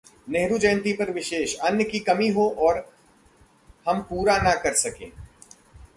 नेहरू जयंती पर विशेष: अन्न की कमी हो और हम पूरा न कर सकें....